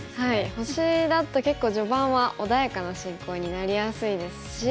星だと結構序盤は穏やかな進行になりやすいですし。